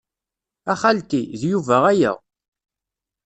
A xalti, d Yuba aya.